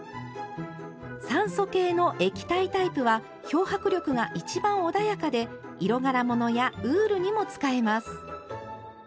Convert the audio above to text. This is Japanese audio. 酸素系の液体タイプは漂白力が一番穏やかで色柄物やウールにも使えます。